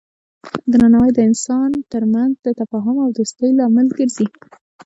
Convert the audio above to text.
درناوی د انسانانو ترمنځ د تفاهم او دوستی لامل ګرځي.